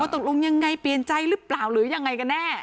ตกลงยังไงเปลี่ยนใจหรือเปล่าหรือยังไงกันแน่